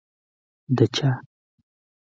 د چا؟